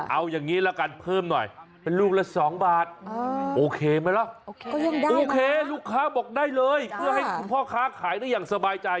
เอาอย่างนี้ละกันเพิ่มหน่อยเป็นลูกละ๒บาทโอเคไหมล่ะโอเคลูกค้าบอกได้เลยเพื่อให้คุณพ่อค้าขายได้อย่างสบายใจ